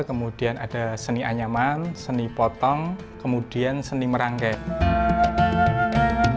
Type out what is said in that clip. kemudian ada seni anyaman seni potong kemudian seni merangkai